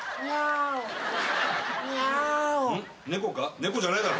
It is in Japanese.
猫じゃないだろ。